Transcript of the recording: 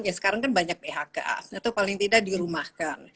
ya sekarang kan banyak phkf itu paling tidak dirumahkan